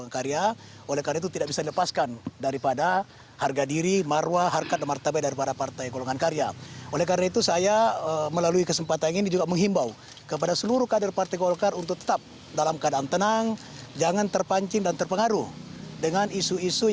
cnn indonesia breaking news